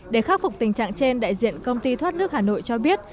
để khắc phục tình trạng trên đại diện công ty thoát nước hà nội cho biết